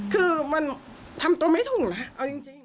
คือมันทำตัวไม่ถูกนะเอาจริง